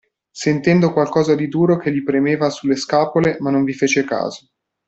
Sentendo qualcosa di duro che gli premeva sulle scapole, ma non vi fece caso.